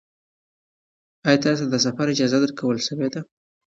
ایا تاسې ته د سفر اجازه درکړل شوه؟